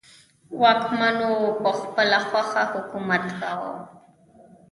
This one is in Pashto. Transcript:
واکمنو په خپله خوښه حکومت کاوه.